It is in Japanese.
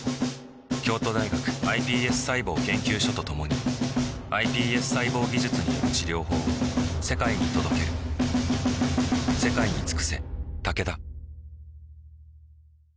京都大学ｉＰＳ細胞研究所と共にｉＰＳ細胞技術による治療法を世界に届けるまだ上です